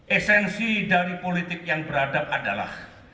esensi dari politik yang beradab adalah